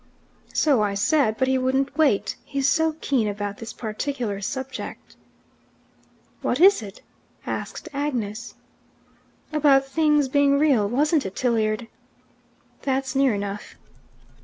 "So I said, but he wouldn't wait. He's so keen about this particular subject." "What is it?" asked Agnes. "About things being real, wasn't it, Tilliard?" "That's near enough."